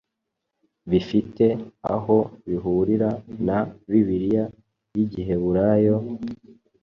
bifite aho bihurira na Bibiliya yigiheburayo –